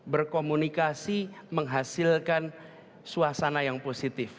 berkomunikasi menghasilkan suasana yang positif